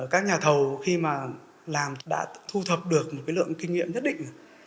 các nhà thầu khi mà làm đã thu thập được một cái lượng kinh nghiệm nhất định rồi